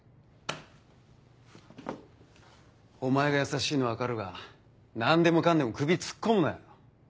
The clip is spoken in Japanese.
お前が優しいのは分かるが何でもかんでも首突っ込むなよ。